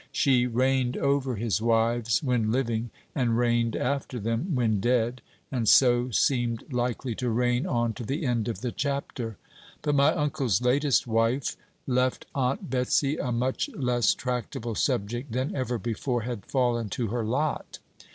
She reigned over his wives when living, and reigned after them when dead, and so seemed likely to reign on to the end of the chapter. But my uncle's latest wife left Aunt Betsey a much less tractable subject than ever before had fallen to her lot.